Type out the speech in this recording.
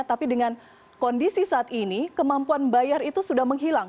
tapi dengan kondisi saat ini kemampuan bayar itu sudah menghilang